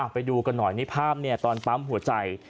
ไปดูกันหน่อยนี่ภาพตอนปั๊มหัวใจ